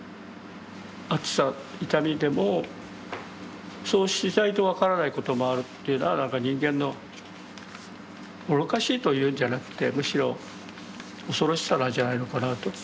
熱さ痛みでもそうしないと分からないこともあるというのはなんか人間の愚かしいというんじゃなくてむしろ恐ろしさなんじゃないのかなと思います。